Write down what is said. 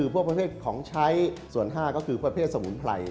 ๔พวกประเภทของใช้๕สมุนไพร